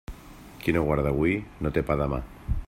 Qui no guarda hui no té pa demà.